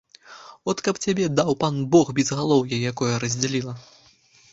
От каб цябе, даў пан бог, безгалоўе якое раздзяліла!